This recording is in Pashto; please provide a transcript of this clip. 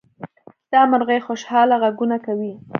دا مرغۍ خوشحاله غږونه کوي.